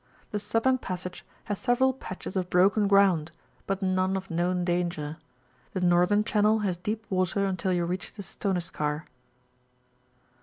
The southern passage has aeY&ral patches of broken ground, but none of known danger; the northern channel has deep water until you reach the Stoneskar.